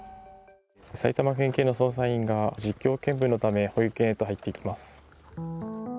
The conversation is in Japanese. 埼玉県警の捜査員が実況見分のため、保育園へと入っていきます。